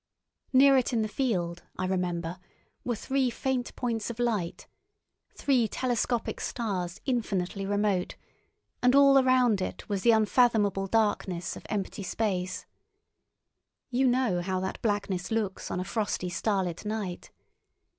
Near it in the field, I remember, were three faint points of light, three telescopic stars infinitely remote, and all around it was the unfathomable darkness of empty space. You know how that blackness looks on a frosty starlight night.